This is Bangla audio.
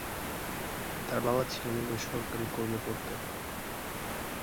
তার বাবা ছিলেন একজন সরকারী কর্মকর্তা।